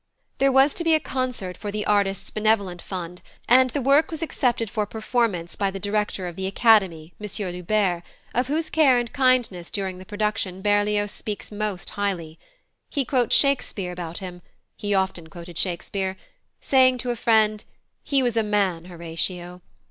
There was to be a concert for the Artists' Benevolent Fund, and the work was accepted for performance by the director of the Academy, M. Loubbert, of whose care and kindness during the production Berlioz speaks most highly. He quotes Shakespeare about him (he often quoted Shakespeare), saying to a friend, "He was a man, Horatio."